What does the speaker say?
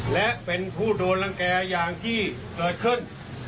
และเป็นผู้โดนรังแก่อย่างที่เกิดขึ้น